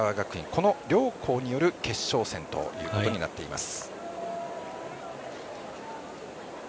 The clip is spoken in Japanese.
この両校による決勝戦となっています。